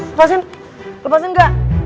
lepasin lepasin gak